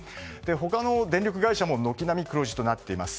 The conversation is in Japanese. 他の電力会社も軒並み黒字となっています。